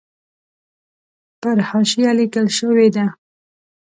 پر حاشیه لیکل شوې ده.